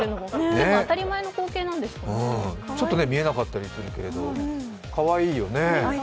結構、当たり前の光景なんですかねちょっと見えなかったりするけれどかわいいよね。